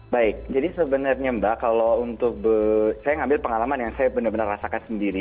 baik jadi sebenarnya mbak kalau untuk saya ngambil pengalaman yang saya benar benar rasakan sendiri